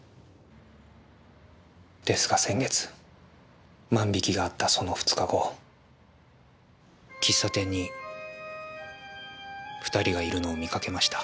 ですが先月万引きがあったその２日後喫茶店に２人がいるのを見かけました。